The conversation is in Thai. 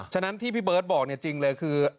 ฉะนั้นที่พี่เบิร์ตบอกเนี่ยจริงเลยคือ